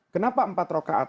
kenapa empat rokaat